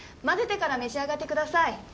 混ぜてから召し上がってください。